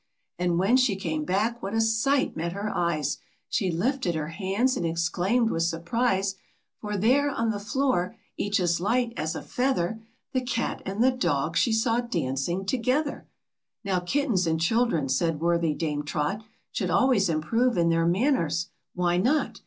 And when she came back what a sight met her eyes ! She lifted her hands, and exclaimed with surprise; For there on the floor — each as light as a feather — The cat and the dog she saw dancing together ! Now kittens and children, said worthy Dame Trot, Should always improve in their manners. Why not?